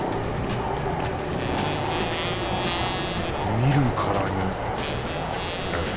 見るからに